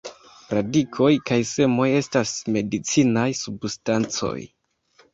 Radikoj kaj semoj estas medicinaj substancoj.